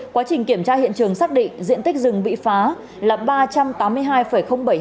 quá trình kiểm tra hiện trường xác định diện tích rừng bị phá là ba trăm tám mươi hai bảy ha